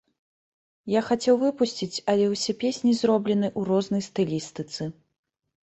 Я хацеў выпусціць, але ўсе песні зроблены ў рознай стылістыцы.